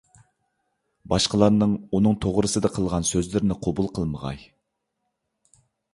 باشقىلارنىڭ ئۇنىڭ توغرىسىدا قىلغان سۆزلىرىنى قوبۇل قىلمىغاي.